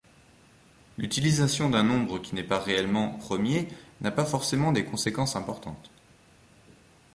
L'utilisation d'un nombre qui n'est pas réellement premier n'a pas forcément des conséquences importantes.